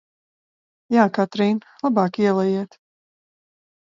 Jā, Katrīn, labāk ielejiet!